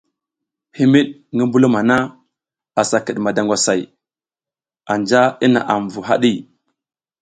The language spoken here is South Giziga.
Himiɗ ngi mbulum hana asa kiɗ madangwasay, anja i naʼam vu haɗi.